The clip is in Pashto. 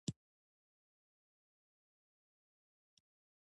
اوږده غرونه د افغانستان د دوامداره پرمختګ لپاره اړین دي.